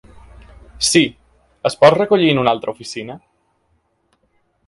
Sí, es pot recollir en una altra oficina?